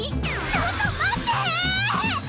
ちょっと待ってーっ！